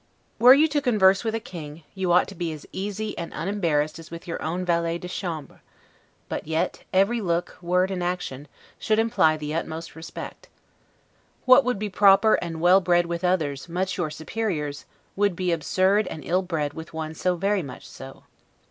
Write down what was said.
Were you to converse with a king, you ought to be as easy and unembarrassed as with your own valet de chambre; but yet, every look, word and action, should imply the utmost respect. What would be proper and well bred with others, much your superiors, would be absurd and ill bred with one so very much so.